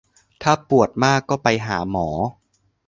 ถ้าปวดมากก็ไปหาหมอ